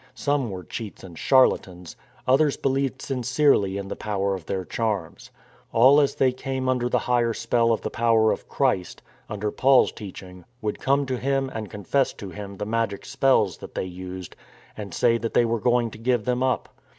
Some were cheats and charlatans, others believed sincerely in the power of their charms. All as they came under the higher spell of the power of Christ, under Paul's teaching, would come to him and confess to him the magic spells that they used and say that they were going to give them up.